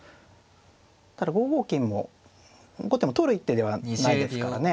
ただ５五金も後手も取る一手ではないですからね。